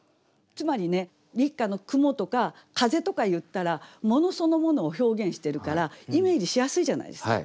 つまりね「立夏の雲」とか「風」とかいったら物そのものを表現してるからイメージしやすいじゃないですか。